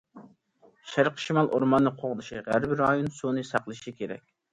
شەرقىي شىمال ئورماننى قوغدىشى، غەربىي رايون سۇنى ساقلىشى كېرەك.